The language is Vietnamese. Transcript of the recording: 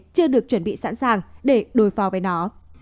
chưa được chuẩn bị sẵn sàng để đối phó với nó